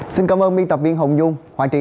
xin chào quý vị